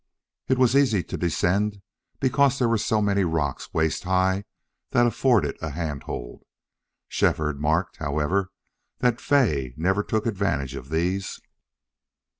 It was easy to descend because there were so many rocks waist high that afforded a handhold. Shefford marked, however, that Fay never took advantage of these.